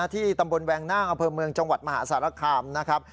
ที่ตำบลแวงนั่งอำเภอเมืองจังหวัดมหาสารคามนะครับ